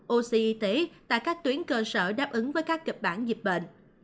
oxy y tế tại các tuyến cơ sở đáp ứng với các kịch bản dịch bệnh